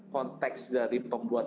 konteks dari pembuat